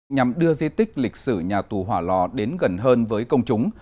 nhằm đưa di tích lịch sử nhà tù hỏa lò đến gần hơn với công chúng